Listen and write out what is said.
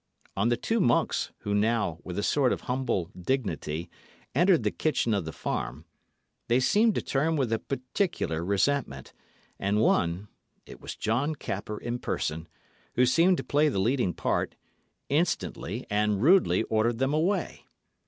On the two monks, who now, with a sort of humble dignity, entered the kitchen of the farm, they seemed to turn with a particular resentment; and one it was John Capper in person who seemed to play the leading part, instantly and rudely ordered them away.